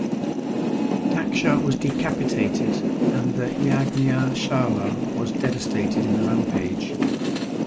Daksha was decapitated and the "yagnja shaala" was devastated in the rampage.